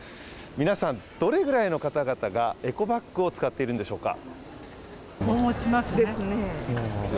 皆さん、どれぐらいの方がエコバッグを使っているんでしょうか。